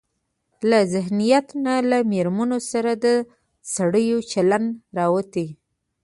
له ذهنيت نه له مېرمنو سره د سړيو چلن راوتى.